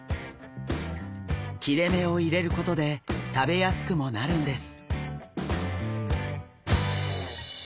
切れ目を入れることで食べやすくもなるんです。